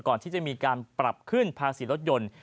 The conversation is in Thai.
ก่อนที่จะมีการปรับขึ้นภาษีรถยนต์